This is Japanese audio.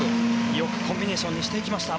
よくコンビネーションにしていきました。